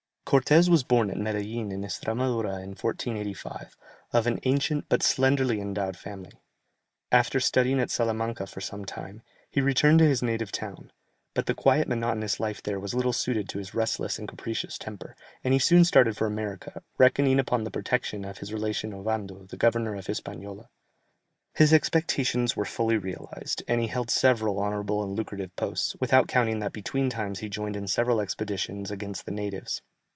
[Illustration: Ferdinand Cortès. From an old print.] Cortès was born at Medellin in Estramadura in 1485, of an ancient, but slenderly endowed family; after studying at Salamanca for some time, he returned to his native town, but the quiet monotonous life there was little suited to his restless and capricious temper, and he soon started for America, reckoning upon the protection of his relation Ovando, the Governor of Hispaniola. His expectations were fully realized, and he held several honourable and lucrative posts, without counting that between times he joined in several expeditions against the natives.